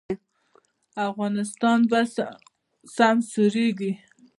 افغانستان به سمسوریږي